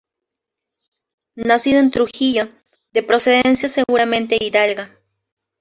Nacido en Trujillo, de procedencia seguramente hidalga.